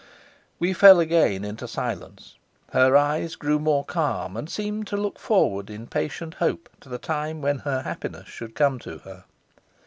We fell again into silence; her eyes grew more calm, and seemed to look forward in patient hope to the time when her happiness should come to her.